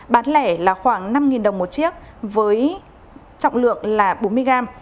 bán lẻ là khoảng năm đồng một chiếc với trọng lượng là bốn mươi gram